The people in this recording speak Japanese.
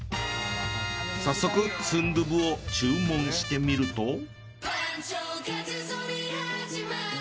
早速スンドゥブを注文してみると。